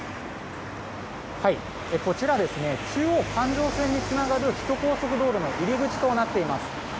こちら中央環状線につながる首都高速道路の入り口となっています。